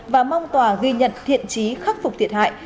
và mong tòa ghi nhận thiện trí khắc phục thiệt hại